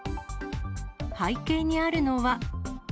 背景にあるのは。